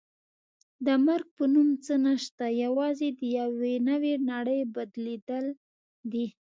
د مرګ په نوم څه نشته یوازې د یوې نړۍ بدلېدل دي.